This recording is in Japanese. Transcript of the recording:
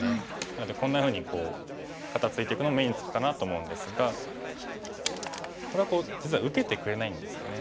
なのでこんなふうに肩ツイていくのが目につくかなと思うんですがこれ実は受けてくれないんですよね。